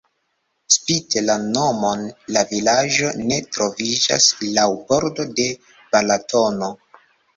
Spite la nomon la vilaĝo ne troviĝas laŭ bordo de Balatono.